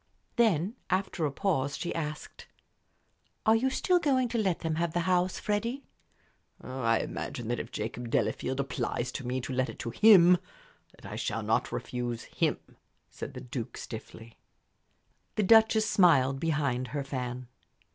Then, after a pause, she asked, "Are you still going to let them have the house, Freddie?" "I imagine that if Jacob Delafield applies to me to let it to him, that I shall not refuse him," said the Duke, stiffly. The Duchess smiled behind her fan.